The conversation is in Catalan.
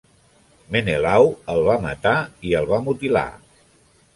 Menelau el va matar i el va mutilar.